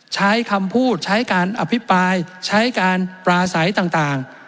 ใช้คำพูดใช้การอภิปรายใช้การปราศัยต่าง